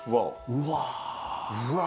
うわ。